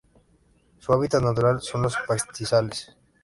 Su hábitat natural son los pastizales.